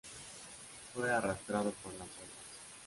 Fue arrastrado por las olas.